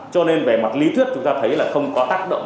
cho nên về mặt lý thuyết chúng ta thấy là không có tác động